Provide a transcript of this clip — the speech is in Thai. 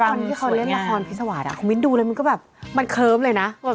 เพราะว่าตอนที่เขาเล่นละครพิษวาสอ่ะคุณวินดูแล้วมันก็แบบมันเคิบเลยนะ